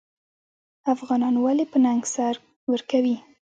افغانان ولې په ننګ سر ورکوي؟